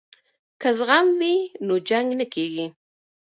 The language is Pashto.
که زغم وي نو جنګ نه کیږي.